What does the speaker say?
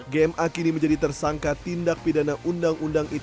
gma kini menjadi tersangka tindak pidana undang undang ite